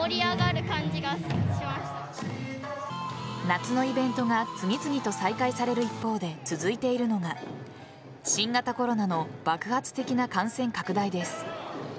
夏のイベントが次々と再開される一方で続いているのが新型コロナの爆発的な感染拡大です。